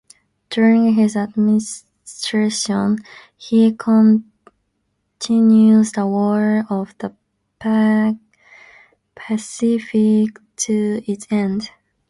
During his administration, he continued the War of the Pacific to its end.